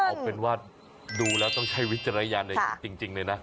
เอาเป็นว่าดูแล้วต้องใช้วิจารณญาณในจริงเลยนะ